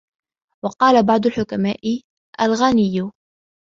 وَقَالَ بَعْضُ الْحُكَمَاءِ الْغَنِيُّ